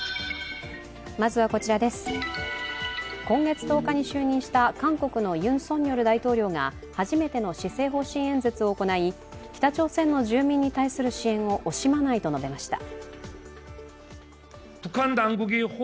今月１０日に就任した韓国のユン・ソンニョル大統領が初めての施政方針演説を行い北朝鮮の住民に対する支援を惜しまないと述べました。